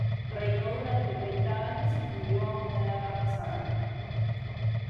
Reinó durante treinta años y murió a una edad avanzada.